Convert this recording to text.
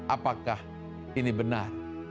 apakah ini benar